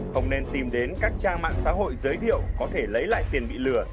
không nên tìm đến các trang mạng xã hội giới thiệu có thể lấy lại tiền bị lừa